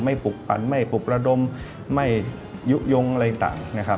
ไม่ปลุกปันไม่ปลุกระดมไม่ยุ้งอะไรต่าง